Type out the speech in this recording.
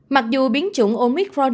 mặc dù biến chủng omicron được ghi nhận